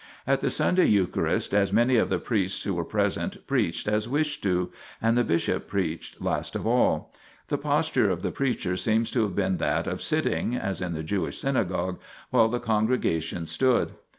At the Sunday Eucharist as many of the priests who were present preached as wished to, and the bishop preached last of all. 1 The posture of the preacher seems to have been that of sitting (as in the Jewish synagogue), while the congregation stood.